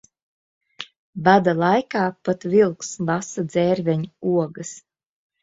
Bada laikā pat vilks lasa dzērveņu ogas.